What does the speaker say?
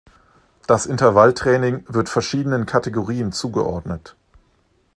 Das Intervalltraining wird verschiedenen Kategorien zugeordnet.